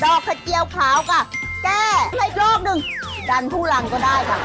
ดอกขาเกียวขาวก็แก้ให้โลกหนึ่งดันผู้หลังก็ได้ค่ะ